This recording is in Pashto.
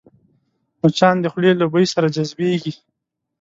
مچان د خولې له بوی سره جذبېږي